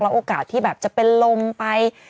โอกาสที่แบบจะเป็นลมไป